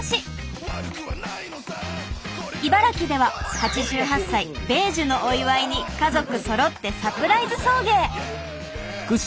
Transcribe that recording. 茨城では８８歳米寿のお祝いに家族そろってサプライズ送迎。